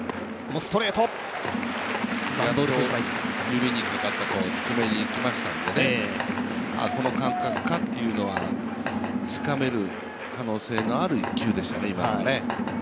指にかかったと言っていましたのでこの感覚かというのはつかめる可能性のある１球でしたね、今のは。